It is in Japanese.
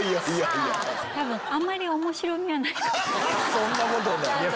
そんなことない。